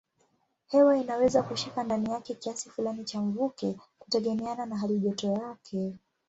Hewa inaweza kushika ndani yake kiasi fulani cha mvuke kutegemeana na halijoto yake.